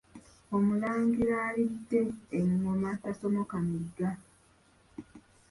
Omulangira alidde engoma tasomoka migga.